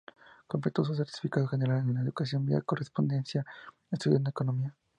Completó su certificado general en educación vía correspondencia, estudiando economía.